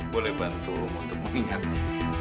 boleh bantu om untuk mengingat